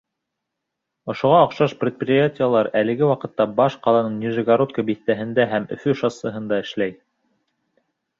Ошоға оҡшаш предприятиелар әлеге ваҡытта баш ҡаланың Нижегородка биҫтәһендә һәм Өфө шоссеһында эшләй.